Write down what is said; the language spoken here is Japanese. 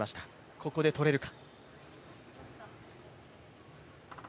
ここで取れるか。